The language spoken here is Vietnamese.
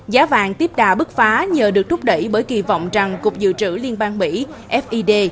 giá vàng tiếp đà bức phá nhờ được rút đẩy bởi kỳ vọng rằng cục dự trữ liên bang mỹ fid